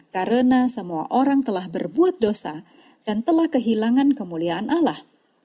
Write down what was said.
karena semua orang telah berbuat dosa dan telah kehilangan kemuliaan allah